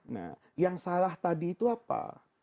nah yang salah tadi itu apa